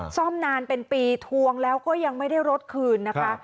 ซ่อมนานเป็นปีทวงแล้วก็ยังไม่ได้รถคืนนะคะ